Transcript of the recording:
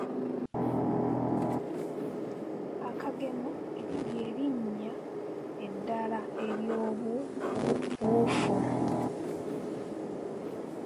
Akagemo ly'erinnya eddala ery'obuwufu.